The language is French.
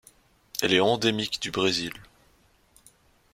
Elle est endémique du Brésil.